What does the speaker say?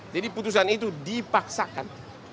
jadi putusan itu dipaksakan